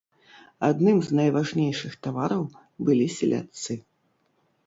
Адным з найважнейшых тавараў былі селядцы.